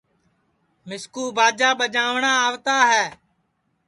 مِسکُو باجا ٻجاوٹؔا آوتا ہے